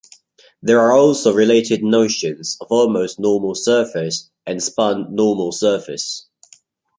There are also related notions of almost normal surface and spun normal surface.